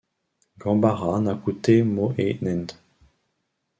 Gambara Nakute mo ee Nende!!